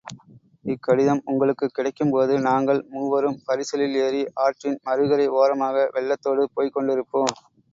இக்கடிதம் உங்களுக்குக் கிடைக்கும்போது நாங்கள் மூவரும் பரிசலில் ஏறி ஆற்றின் மறுகரை ஓரமாக வெள்ளத்தோடு போய்க் கொண்டிருப்போம்.